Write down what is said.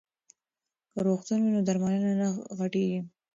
که روغتون وي نو درملنه نه ځنډیږي.